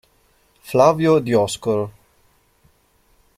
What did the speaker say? Flavio Dioscoro